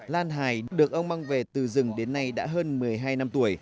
lan hải được ông mang về từ rừng đến nay đã hơn một mươi hai năm tuổi